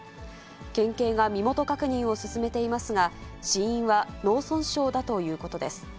県警が身元確認を進めていますが、死因は脳損傷だということです。